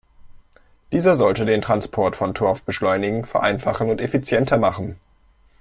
Dieser sollte den Transport von Torf beschleunigen, vereinfachen und effizienter machen.